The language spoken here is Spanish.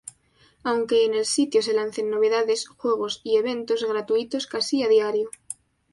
Aunque en el sitio se lancen novedades, juegos y eventos gratuitos casi a diario.